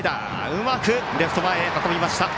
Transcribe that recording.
うまくレフト前へ運びました。